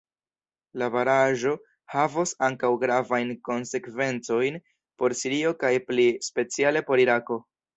La baraĵo havos ankaŭ gravajn konsekvencojn por Sirio kaj pli speciale por Irako.